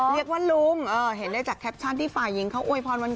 และจากแท็กชั่นที่ฝ่ายยิงเขาอวยพรวรรณ์